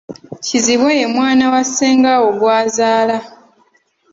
Kizibwe ye mwana wa Ssengaawo gw'azaala.